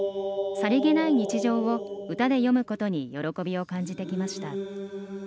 さりげない日常を歌で詠むことに喜びを感じてきました。